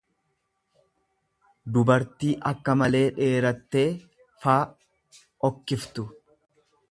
dubartii akka malee dheerattee f okkiftu.